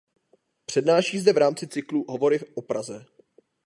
Přednáší zde v rámci cyklu Hovory o Praze.